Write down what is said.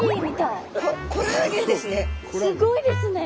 すごいですね。